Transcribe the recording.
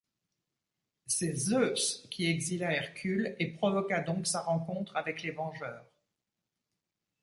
C'est Zeus qui exila Hercule et provoqua donc sa rencontre avec les Vengeurs.